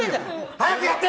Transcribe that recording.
早くやって！